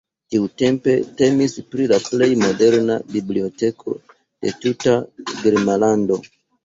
Tiutempe temis pri la plej moderna biblioteko de tuta Germanlando.